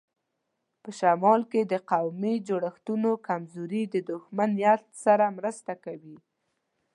په شمال کې د قومي جوړښتونو کمزوري د دښمن نیت سره مرسته کوي.